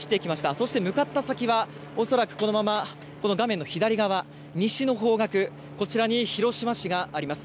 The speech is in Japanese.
そして向かった先は、恐らくこのままの画面の左側、西の方角、こちらに広島市があります。